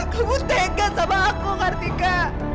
aku tega sama aku kartika